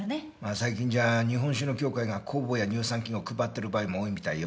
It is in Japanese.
最近じゃ日本酒の協会が酵母や乳酸菌を配ってる場合も多いみたいよ。